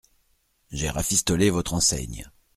J’ai rafistolé votre enseigne.